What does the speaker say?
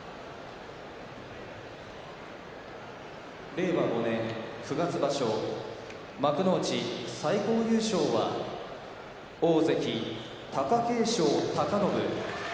令和５年九月場所、幕内最高優勝は大関、貴景勝貴信。